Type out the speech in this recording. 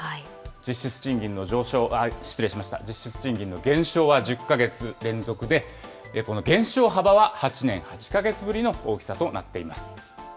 実施賃金の上昇、失礼しました、実質賃金の減少は１０か月連続で、この減少幅は８年８か月ぶりの大きさとなっています。